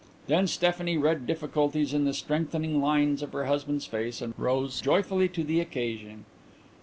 Then Stephanie read difficulties in the straightening lines of her husband's face and rose joyfully to the occasion.